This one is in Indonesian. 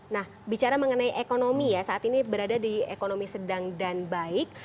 nah bicara mengenai ekonomi ya saat ini berada di ekonomi sedang dan baik